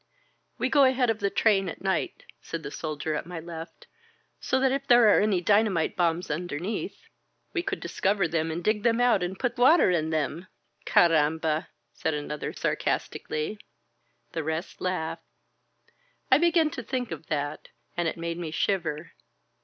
"We go ahead of the train at night," said the sol dier at my left, "so that if there are any dynamite bombs underneath " *We could discover them and dig them out and put water in them, carramba!" said another sarcastically. The rest laughed. I began to think of that, and it made me shiver.